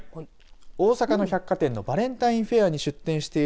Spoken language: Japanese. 大阪の百貨店のバレンタインフェアに出店している